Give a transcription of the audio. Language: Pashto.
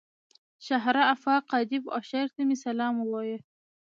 شهره آفاق ادیب او شاعر ته مې سلام ووايه.